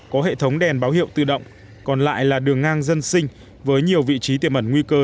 có hệ thống đèn báo hiệu tự động còn lại là đường ngang dân sinh với nhiều vị trí tiệm ẩn nguy cơ